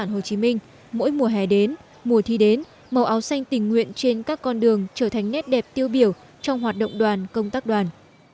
cộng sản hồ chí minh mỗi mùa hè đến mùa thi đến màu áo xanh tình nguyện trên các con đường trở thành nét đẹp tiêu biểu trong hoạt động đoàn công tác đoàn